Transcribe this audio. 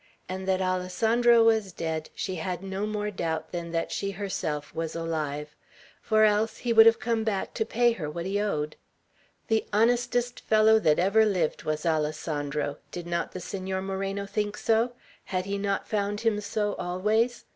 And that Alessandro was dead, she had no more doubt than that she herself was alive; for else, he would have come back to pay her what he owed. The honestest fellow that ever lived, was Alessandro. Did not the Senor Moreno think so? Had he not found him so always?